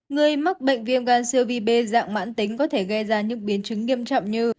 người mắc bệnh viêm gan siêu vi bê dạng mãn tính có thể gây ra những biến chứng nghiêm trọng như